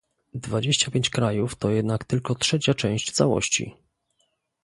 Dwadzieścia pięć krajów to jednak tylko trzecia część całości